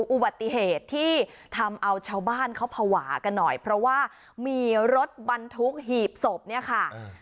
อุบัติเหตุที่ทำเอาชาวบ้านเขาภาวะกันหน่อยเพราะว่ามีรถบรรทุกหีบศพเนี่ยค่ะ